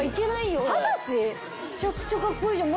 めちゃくちゃカッコイイじゃん。